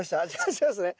違いますね。